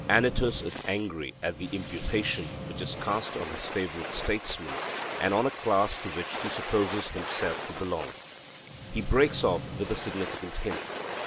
Anytus is angry at the imputation which is cast on his favourite statesmen, and on a class to which he supposes himself to belong; he breaks off with a significant hint.